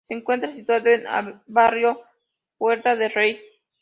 Se encuentra situado en el barrio Huerta del Rey.